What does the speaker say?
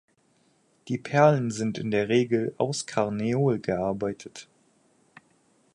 Die Perlen sind in der Regel aus Karneol gearbeitet.